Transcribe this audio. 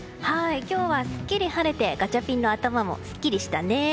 今日はすっきり晴れてガチャピンの頭もすっきりしたね。